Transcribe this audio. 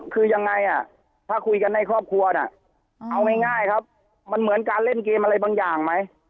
คือยังไงอ่ะถ้าคุยกันในครอบครัวน่ะเอาง่ายครับมันเหมือนการเล่นเกมอะไรบางอย่างไหม